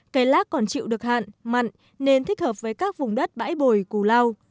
cây lác còn chịu được hạn mặn nên thích hợp với các vùng đất bãi bồi cù lao